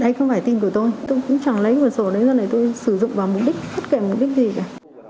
đấy không phải tin của tôi tôi cũng chẳng lấy quần sổ đấy ra này tôi sử dụng vào mục đích hết kể mục đích gì cả